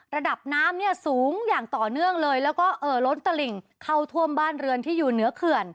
ระดับน้ำเนี่ยสูงอย่างต่อเนื่องเลยแล้วก็เอ่อล้นตลิ่งเข้าท่วมบ้านเรือนที่อยู่เหนือเขื่อน